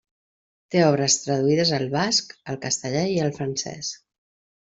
Té obres traduïdes al basc, al castellà i al francès.